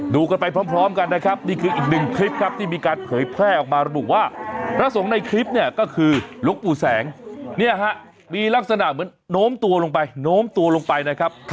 ดูกันไปพร้อมกันนะครับนี่คืออีกหนึ่งคลิปครับที่มีการเผยแพร่ออกมาระบุว่าพระสงฆ์ในคลิปเนี่ยก็คือหลวงปู่แสงเนี่ยฮะมีลักษณะเหมือนโน้มตัวลงไปโน้มตัวลงไปนะครับ